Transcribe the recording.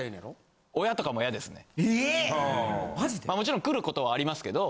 ・勿論来ることはありますけど。